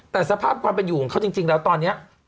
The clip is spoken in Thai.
แต่สภาพความเป็นอยู่ของเขาจริงแล้วตอนนี้